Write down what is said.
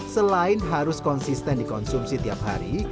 selain harus konsisten dikonsumsi tiap hari